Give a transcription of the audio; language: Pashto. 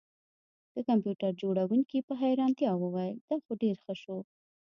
د کمپیوټر جوړونکي په حیرانتیا وویل دا خو ډیر ښه شو